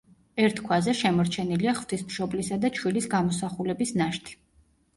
ერთ ქვაზე შემორჩენილია ღვთისმშობლისა და ჩვილის გამოსახულების ნაშთი.